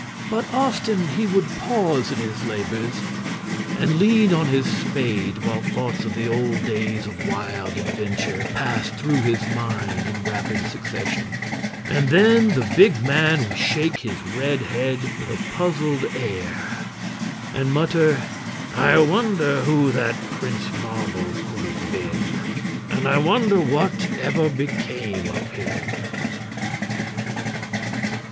But often he would pause in his labors and lean on his spade, while thoughts of the old days of wild adventure passed through his mind in rapid succession; and then the big man would shake his red head with a puzzled air and mutter: "I wonder who that Prince Marvel could have been! And I wonder what ever became of him!"